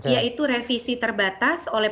yaitu revisi terbatas oleh